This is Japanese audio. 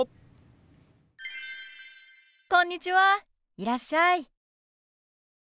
いらっしゃい。